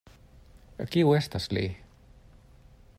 Kiu estas li?